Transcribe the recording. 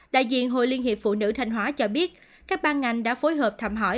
đại diện hội liên hiệp phụ nữ thanh hóa cho biết các ban ngành đã phối hợp thăm hỏi